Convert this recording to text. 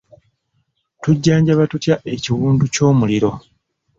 Tujjanjaba tutya ekiwundu ky'omuliro?